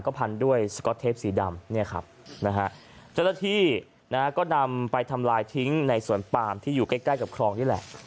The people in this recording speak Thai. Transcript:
ก็พันด้วยสก๊อตเทปสีดำเจ้าหน้าที่ก็นำไปทำลายทิ้งในส่วนปามที่อยู่ใกล้กับคลองนี่แหละ